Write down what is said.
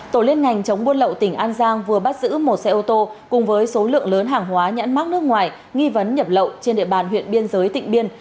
tổ liên ngành chống buôn lậu tỉnh an giang vừa bắt giữ một xe ô tô cùng với số lượng lớn hàng hóa nhãn mắc nước ngoài nghi vấn nhập lậu trên địa bàn huyện biên giới tỉnh biên